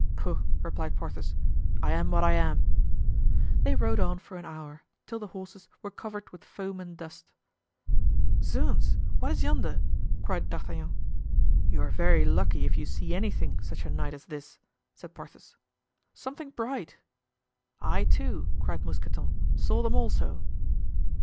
"Pooh!" replied Porthos, "I am what I am." They rode on for an hour, till the horses were covered with foam and dust. "Zounds! what is yonder?" cried D'Artagnan. "You are very lucky if you see anything such a night as this," said Porthos. "Something bright." "I, too," cried Mousqueton, "saw them also."